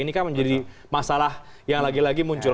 ini kan menjadi masalah yang lagi lagi muncul